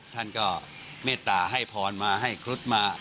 ท่านก็เมตตาให้พรมาให้ครุฑมา